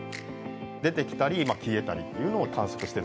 出てきたり消えたりっていうのを観測してるとこなんですね。